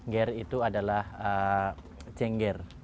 ger itu adalah cengger